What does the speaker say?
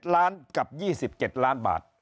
ล้านกับ๒๗ล้านบาท